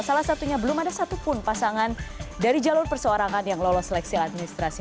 salah satunya belum ada satupun pasangan dari jalur perseorangan yang lolos seleksi administrasi